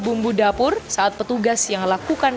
bumbu dapur saat petugas yang lakukan